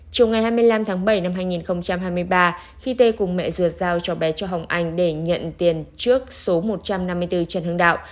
chiều ngày hai mươi năm tháng bảy năm hai nghìn hai mươi ba khi tê cùng mẹ ruột giao cho bé cho hồng anh để nhận tiền trước số một trăm năm mươi bốn trần hưng đạo